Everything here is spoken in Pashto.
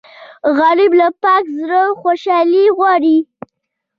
غریب له پاک زړه خوشالي غواړي